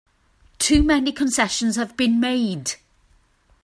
Too many concessions have been made!